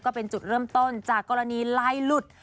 ก็เป็นจุดเริ่มต้นจากกรณีลายหลุด